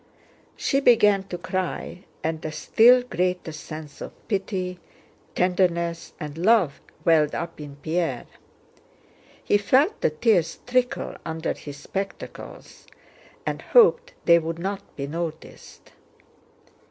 She began to cry and a still greater sense of pity, tenderness, and love welled up in Pierre. He felt the tears trickle under his spectacles and hoped they would not be noticed.